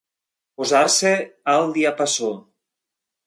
Posar-se al diapasó.